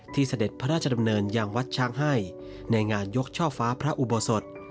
เสด็จพระราชดำเนินยังวัดช้างให้ในงานยกช่อฟ้าพระอุโบสถ